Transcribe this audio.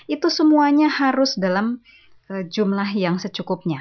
itu semuanya harus dalam jumlah yang secukupnya